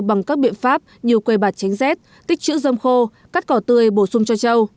bằng các biện pháp như quây bạt tránh rét tích chữ dâm khô cắt cỏ tươi bổ sung cho châu